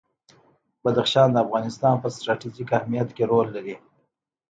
بدخشان د افغانستان په ستراتیژیک اهمیت کې رول لري.